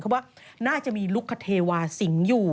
เขาว่าน่าจะมีลูกคเทวาสิงห์อยู่